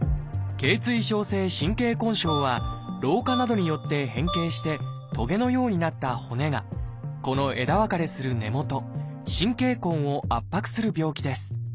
頚椎症性神経根症は老化などによって変形してトゲのようになった骨がこの枝分かれする根元「神経根」を圧迫する病気です。